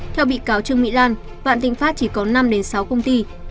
theo bị cáo trương mỹ lan vạn tịnh phát chỉ có năm sáu công ty